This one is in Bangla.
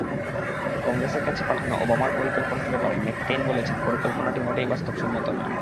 কংগ্রেসের কাছে পাঠানো ওবামার পরিকল্পনার ব্যাপারে ম্যাককেইন বলেছেন, পরিকল্পনাটি মোটেই বাস্তবসম্মত নয়।